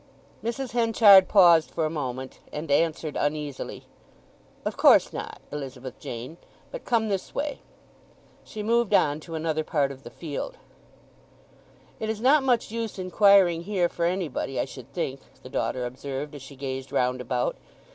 Mrs. Henchard paused for a moment, and answered uneasily, "Of course not, Elizabeth Jane. But come this way." She moved on to another part of the field. "It is not much use inquiring here for anybody, I should think," the daughter observed, as she gazed round about.